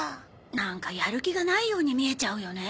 なんかやる気がないように見えちゃうよね。